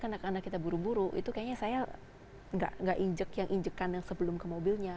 karena kita buru buru itu kayaknya saya nggak injek yang injekan yang sebelum ke mobilnya